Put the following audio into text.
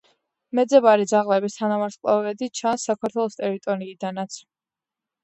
მეძებარი ძაღლების თანავარსკვლავედი ჩანს საქართველოს ტერიტორიიდანაც.